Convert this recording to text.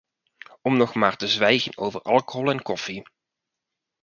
Om nog maar te zwijgen over alcohol en koffie!